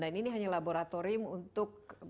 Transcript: dan ini hanya laboratorium untuk menguji